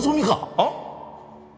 あっ？